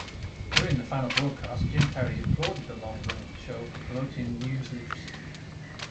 During the final broadcast, Jim Perry applauded the long-running show for promoting news literacy.